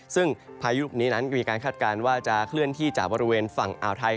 ซึ่งพายุลูกนี้นั้นมีการคาดการณ์ว่าจะเคลื่อนที่จากบริเวณฝั่งอ่าวไทย